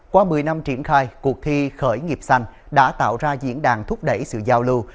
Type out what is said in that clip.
qua một mươi năm triển khai cuộc thi khởi nghiệp xanh đã tạo ra diễn đàn thúc đẩy sự giao lưu